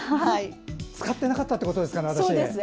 使ってなかったってことですかね。